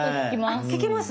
あ聞きます？